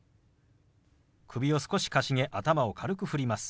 首を少しかしげ頭を軽く振ります。